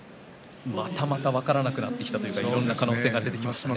またまた分からなくなってきたいろいろな可能性が出てきましたね。